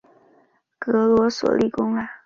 格罗索立功啦！